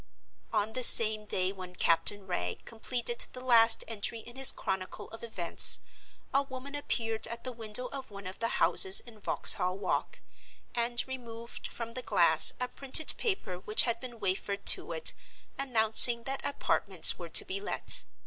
On the same day when Captain Wragge completed the last entry in his Chronicle of Events, a woman appeared at the window of one of the houses in Vauxhall Walk, and removed from the glass a printed paper which had been wafered to it announcing that Apartments were to be let.